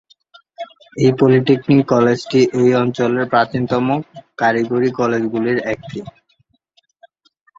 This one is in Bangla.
এই পলিটেকনিক কলেজটি এই অঞ্চলের প্রাচীনতম কারিগরি কলেজগুলির একটি।